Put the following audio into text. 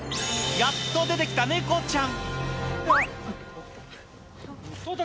やっと出てきたネコちゃん。